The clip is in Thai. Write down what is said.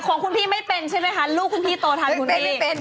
แต่ของคุณพี่ไม่เป็นใช่ไหมคะลูกคุณพี่โตทันคุณเอง